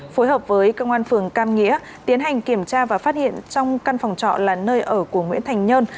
phối hợp với công an phường cam nghĩa tiến hành kiểm tra và phát hiện trong căn phòng trọ là nơi ở của nguyễn thành nhơn